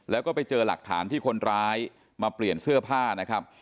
แล้วก็ไปเจอหลักฐานที่คนร้ายมาเปลี่ยนเสื้อผ้านะครับ